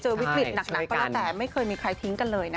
วิกฤตหนักก็แล้วแต่ไม่เคยมีใครทิ้งกันเลยนะคะ